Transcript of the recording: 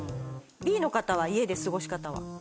Ｂの方は家で過ごし方は？